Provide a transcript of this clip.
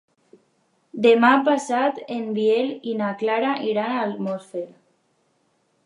Demà passat en Biel i na Clara iran a Almoster.